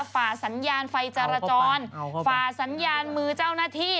ฝ่าสัญญาณไฟจรจรฝ่าสัญญาณมือเจ้าหน้าที่